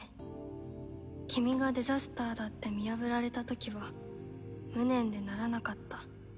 「君がデザスターだって見破られた時は無念でならなかった」